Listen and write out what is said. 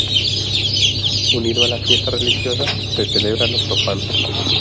Unido a la fiesta religiosa, se celebra lo profano.